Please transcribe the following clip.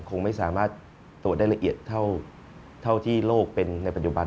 คงไม่สามารถตรวจได้ละเอียดเท่าที่โลกเป็นในปัจจุบัน